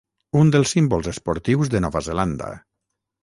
un dels símbols esportius de Nova Zelanda